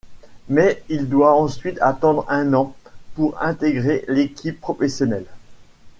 Mais il doit ensuite attendre un an pour intégrer l'équipe professionnelle.